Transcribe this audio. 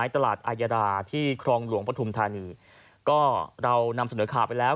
ตลาดอายาดาที่ครองหลวงปฐุมธานีก็เรานำเสนอข่าวไปแล้ว